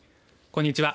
こんにちは。